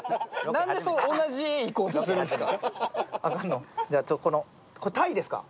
なんで同じ画いこうとするんですか？